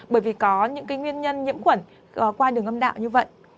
bởi vì có những nguyên nhân nhiễm khuẩn qua đường âm đạo như vậy